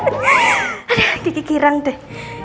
aduh kiki kirang deh